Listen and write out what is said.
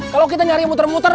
kalau kita nyari muter muter